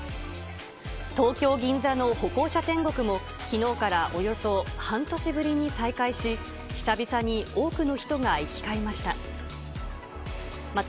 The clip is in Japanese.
東京・銀座の歩行者天国もきのうからおよそ半年ぶりに再開し、久々に多くの人が行き交いました。